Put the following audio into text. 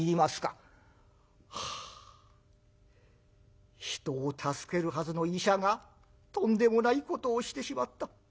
「はあ人を助けるはずの医者がとんでもないことをしてしまった。